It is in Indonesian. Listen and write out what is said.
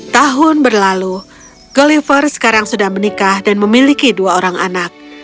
tahun berlalu golliver sekarang sudah menikah dan memiliki dua orang anak